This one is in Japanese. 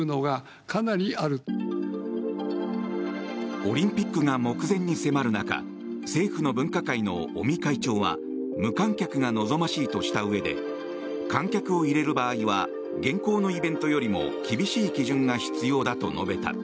オリンピックが目前に迫る中政府の分科会の尾身会長は無観客が望ましいとしたうえで観客を入れる場合は現行のイベントよりも厳しい基準が必要だと述べた。